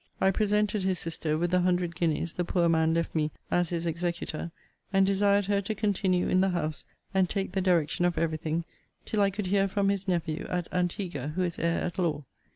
I presented his sister with the hundred guineas the poor man left me as his executor, and desired her to continue in the house, and take the direction of every thing, till I could hear from his nephew at Antigua, who is heir at law.